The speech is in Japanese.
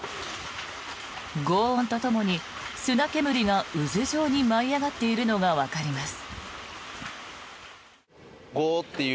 ごう音とともに砂煙が渦状に舞い上がっているのがわかります。